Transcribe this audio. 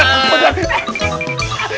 oh sini selang